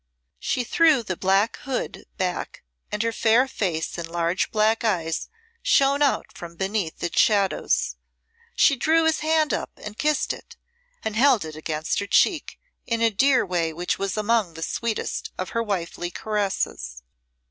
She threw the black hood back and her fair face and large black eyes shone out from beneath its shadows. She drew his hand up and kissed it, and held it against her cheek in a dear way which was among the sweetest of her wifely caresses.